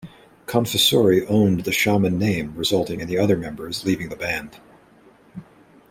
Confessori owned the Shaman name resulting in the other members leaving the band.